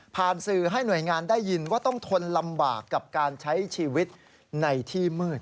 สื่อให้หน่วยงานได้ยินว่าต้องทนลำบากกับการใช้ชีวิตในที่มืด